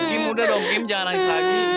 kim udah dong kim jangan lagi